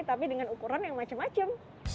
tapi dengan ukuran yang macam macam